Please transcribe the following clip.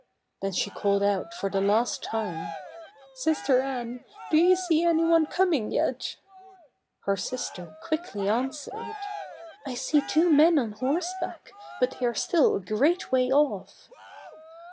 Then she called out for the last time, " Sister Anne, do you see any one coming yet ?" Her sister quickly answered, " I see two men on horseback, but they are still a great way off.